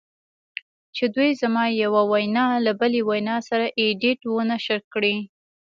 چې دوی زما یوه وینا له بلې وینا سره ایډیټ و نشر کړې